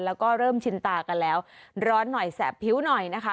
แล้วก็เริ่มชินตากันแล้วร้อนหน่อยแสบผิวหน่อยนะคะ